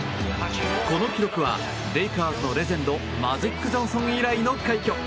この記録はレイカーズのレジェンドマジック・ジョンソン以来の快挙！